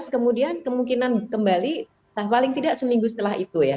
kemudian kemungkinan kembali paling tidak seminggu setelah itu ya